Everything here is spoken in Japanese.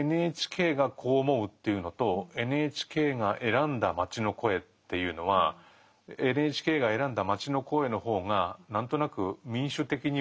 ＮＨＫがこう思うというのとＮＨＫが選んだ街の声っていうのはＮＨＫが選んだ街の声の方が何となく民主的には見えるけれど。